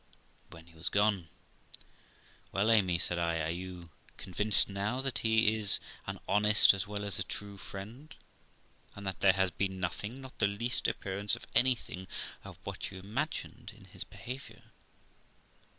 When he was gone, 'Well, Amy', said I, 'are you convinced now that he is an honest as well as a true friend, and that there has been nothing, not the least appearance of anything, of what you imagined in his behav iour